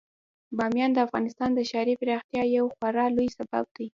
بامیان د افغانستان د ښاري پراختیا یو خورا لوی سبب دی.